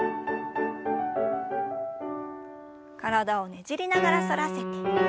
体をねじりながら反らせて。